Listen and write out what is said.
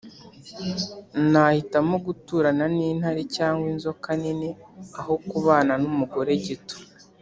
Nahitamo guturana n’intare cyangwa inzoka nini, aho kubana n’umugore gito.